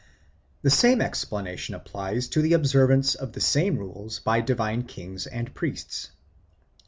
The same explanation applies to the observance of the same rules by divine kings and priests.